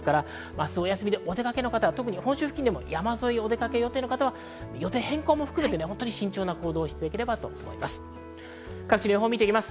明日お休みでお出かけになる方、山沿いにお出かけの方は予定変更も含めて、慎重な行動をしていただければと思います。